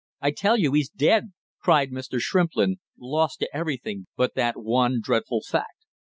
"I tell you he's dead!" cried Mr. Shrimplin, lost to everything but that one dreadful fact.